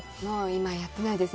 今はやってないです。